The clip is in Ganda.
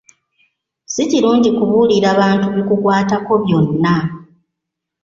Si kirungi kubuulira bantu bikukwatako byonna.